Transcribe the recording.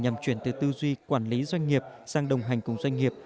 nhằm chuyển từ tư duy quản lý doanh nghiệp sang đồng hành cùng doanh nghiệp